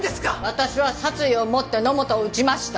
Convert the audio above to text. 私は殺意をもって野本を撃ちました。